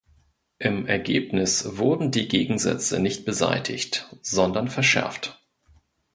Im Ergebnis wurden die Gegensätze nicht beseitigt, sondern verschärft.